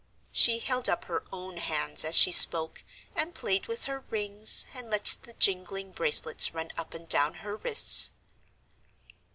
She held up her own hands as she spoke, and played with her rings, and let the jingling bracelets run up and down her wrists.